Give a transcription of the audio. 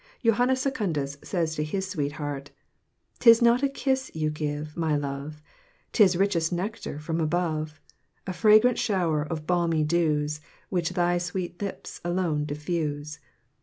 Johannas Secundus says to his sweetheart: 'Tis not a kiss you give, my love! 'Tis richest nectar from above! A fragrant shower of balmy dews, Which thy sweet lips alone diffuse!